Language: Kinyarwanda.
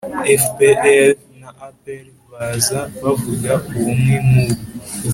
– fpr n' apr baza bavuga ubumwe nk' ubu.